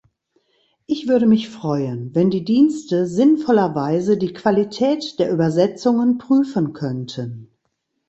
Ich würde mich freuen, wenn die Dienste sinnvollerweise die Qualität der Übersetzungen prüfen könnten.